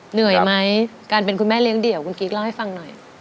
เหนื่อยไหมการเป็นคุณแม่เลี้ยเดี่ยวคุณกิ๊กเล่าให้ฟังหน่อย